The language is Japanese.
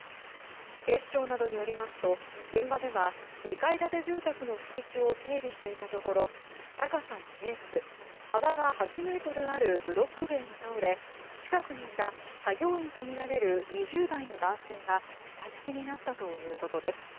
警視庁などによりますと現場では２階建て住宅の敷地を整備していたところ高さ２ｍ、幅が８ｍあるブロック塀が倒れ近くにいた作業員とみられる２０代の男性が下敷きになったということです。